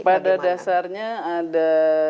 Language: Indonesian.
pada dasarnya ada